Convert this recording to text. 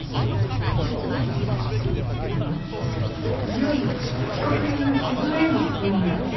いよいよ被告人のすずめへの質問だ。